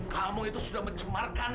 kamu itu sudah mencemarkan